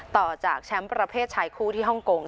ต่อจากแชมป์ประเภทชายคู่ที่ฮ่องกง